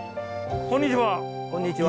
こんにちは。